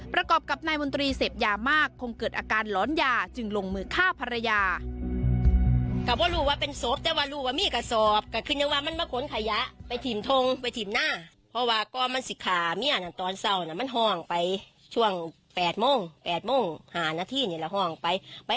ประกอบกับนายมนตรีเสพยามากคงเกิดอาการหลอนยาจึงลงมือฆ่าภรรยา